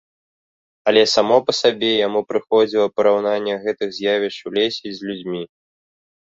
Але само па сабе яму прыходзіла параўнанне гэтых з'явішч у лесе з людзьмі.